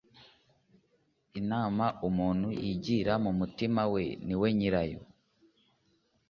Inama umuntu yigira mu mutima we ni we nyirayo